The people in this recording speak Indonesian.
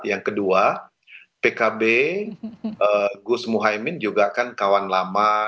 yang kedua pkb gus muhaymin juga kan kawan lama